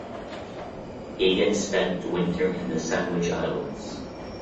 He again spent the winter in the Sandwich Islands.